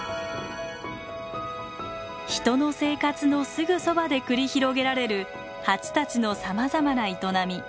人の生活のすぐそばで繰り広げられるハチたちのさまざまな営み。